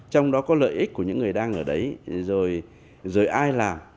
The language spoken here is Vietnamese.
trong đó có lợi ích của những người đang ở đấy rồi ai làm